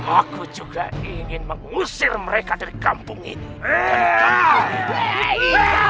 aku juga ingin mengusir mereka dari kampung ini